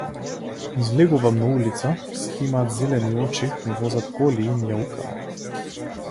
Излегувам на улица, сите имаат зелени очи, возат коли и мјаукаат.